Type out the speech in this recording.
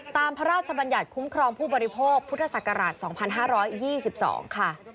พระราชบัญญัติคุ้มครองผู้บริโภคพุทธศักราช๒๕๒๒ค่ะ